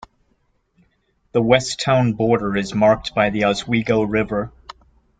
The west town border is marked by the Oswego River.